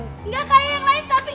enggak kayak yang lain tapi